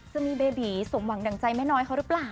จะมีเบบีสมหวังดั่งใจแม่น้อยเขาหรือเปล่า